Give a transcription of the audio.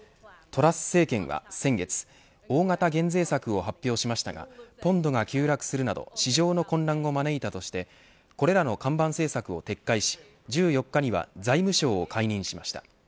トラス政権は先月大型減税策を発表しましたがポンドが急落するなど市場の混乱を招いたとしてこれらの看板政策を撤回し１４日には財務相を解任しました。